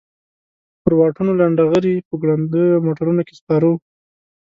پر واټونو لنډه غري په ګړندیو موټرونو کې سپاره وو.